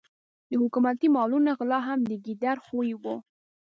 د حکومتي مالونو غلا هم د ګیدړ خوی وو.